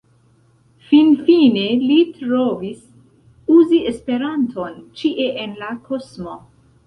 Finfine li trovis: uzi Esperanton ĉie en la kosmo.